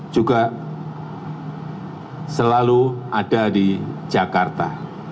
juga selalu ada di jakarta